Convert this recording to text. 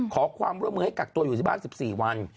ขอความร่วมมือให้กักตัวอยู่ที่บ้าน๑๔วัน